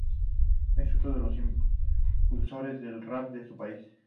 Es uno de los impulsores del rap en su país.